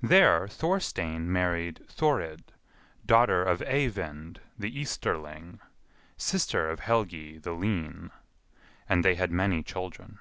There Thorstein married Thorid, daughter of Eyvind the Easterling, sister of Helgi the Lean; and they had many children.